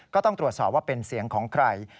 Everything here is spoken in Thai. ก็ต้องตรวจสอบว่าเป็นเสียงของใคร